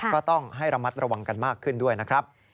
ก็ต้องให้ระมัดระวังกันมากขึ้นด้วยนะครับ